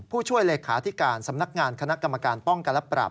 ผู้ช่วยเลขาธิการสำนักงานคณะกรรมการป้องกันและปราบ